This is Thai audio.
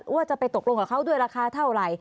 ว่าจะไปตกลงกับเขาด้วยราคาเท่าไหร่